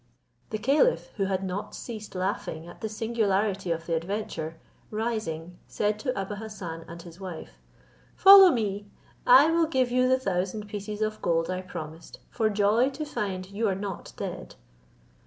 The caliph, who had not ceased laughing at the singularity of the adventure, rising, said to Abou Hassan and his wife, "Follow me; I will give you the thousand pieces of gold I promised, for joy to find you are not dead."